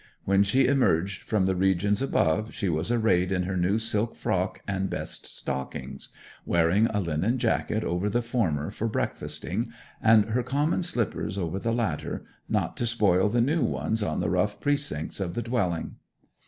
When she emerged from the regions above she was arrayed in her new silk frock and best stockings, wearing a linen jacket over the former for breakfasting, and her common slippers over the latter, not to spoil the new ones on the rough precincts of the dwelling.